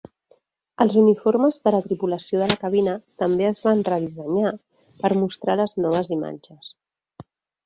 Els uniformes de la tripulació de la cabina també es van redissenyar per mostrar les noves imatges.